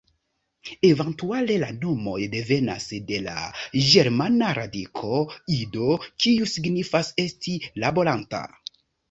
Eventuale la nomoj devenas de la ĝermana radiko "id-", kiu signifas "esti laboranta".